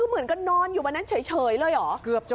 เมืองเหรอ